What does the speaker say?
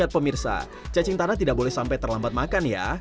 pemirsa cacing tanah tidak boleh sampai terlambat makan ya